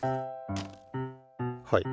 はい。